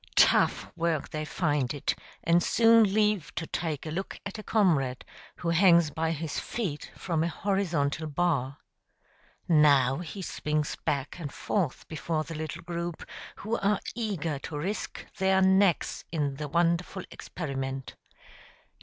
Tough work they find it, and soon leave to take a look at a comrade who hangs by his feet from a horizontal bar. Now he swings back and forth before the little group, who are eager to risk their necks in the wonderful experiment.